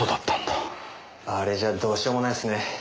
あれじゃどうしようもないっすね。